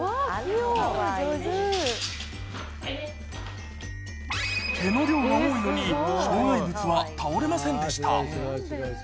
・おいで・毛の量が多いのに障害物は倒れませんでした